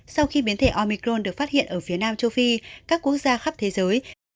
sau khi biến thể omicron được phát hiện ở phía nam châu phi các quốc gia khắp thế giới